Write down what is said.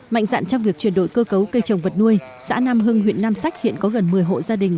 mạnh dạn trong việc chuyển đổi cơ cấu cây trồng vật nuôi xã nam hưng huyện nam sách hiện có gần một mươi hộ gia đình